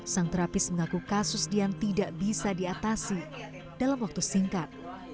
sang terapis mengaku kasus dian tidak bisa diatasi dalam waktu singkat